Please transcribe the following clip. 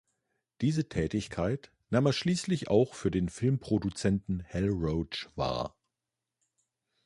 Diese Tätigkeit nahm er schließlich auch für den Filmproduzenten Hal Roach wahr.